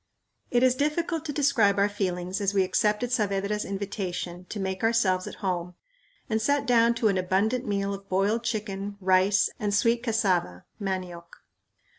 It is difficult to describe our feelings as we accepted Saavedra's invitation to make ourselves at home, and sat down to an abundant meal of boiled chicken, rice, and sweet cassava (manioc).